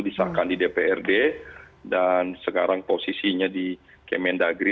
disahkan di dprd dan sekarang posisinya di kementerian negeri